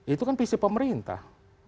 itu kan visi pemerintah